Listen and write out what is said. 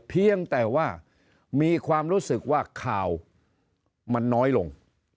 เพียงแต่ว่ามีความรู้สึกว่าข่าวมันน้อยลง